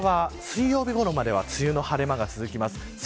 こちらは水曜日ごろまでは梅雨の晴れ間が続きます。